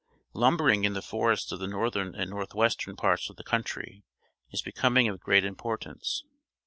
Lumbering in the forests of the northern and north western parts of the country is becoming of great importance.